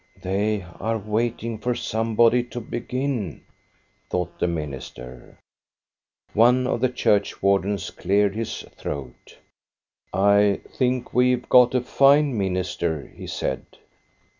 "They are waiting for somebody to begin," thought the minister. One of the churchwardens cleared his throat. " I think we 've got a fine minister," he said.